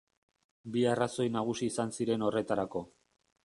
Bi arrazoi nagusi izan ziren horretarako.